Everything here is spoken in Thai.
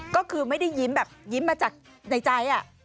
ก็คือไม่ได้ยิ้มแบบยิ้มมาจากในใจ